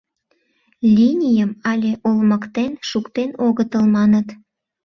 Линийым але олмыктен шуктен огытыл, маныт.